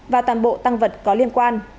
và toàn bộ tăng vật có liên quan